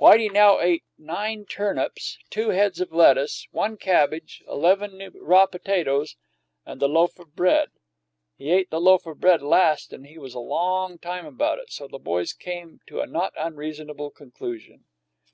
Whitey now ate nine turnips, two heads of lettuce, one cabbage, eleven raw potatoes, and the loaf of bread. He ate the loaf of bread last and he was a long time about it; so the boys came to a not unreasonable conclusion.